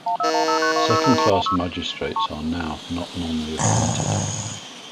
Second Class Magistrates are now not normally appointed.